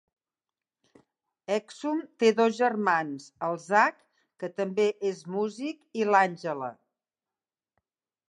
Hexum té dos germans: el Zack, que també és músic i l'Angela.